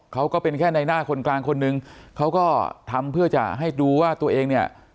ก็เป็นแค่ในหน้าคนกลางคนนึงเขาก็ทำเพื่อจะให้ดูว่าตัวเองเนี่ย